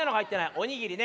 おにぎりね。